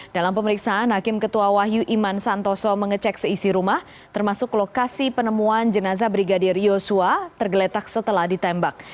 dalam pemeriksaan hakim ketua wahyu iman santoso mengecek seisi rumah termasuk lokasi penemuan jenazah brigadir yosua tergeletak setelah ditembak